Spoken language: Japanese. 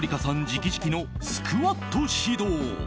直々のスクワット指導。